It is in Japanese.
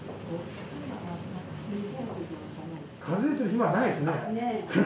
数えてる暇はないですね。